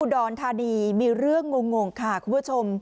รธานีมีเรื่องงงค่ะคุณผู้ชม